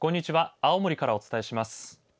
青森からお伝えします。